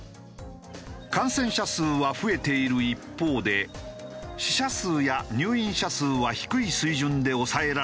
感染者数は増えている一方で死者数や入院者数は低い水準で抑えられているのだ。